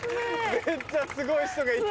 めっちゃすごい人がいた。